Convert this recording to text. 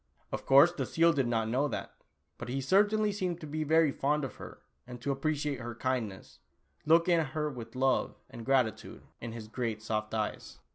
Of course the seal did not know that, but he certainly seemed to be very fond of her, and to appreci ate her kindness, looking at her with love and gratitude, in his great soft eyes.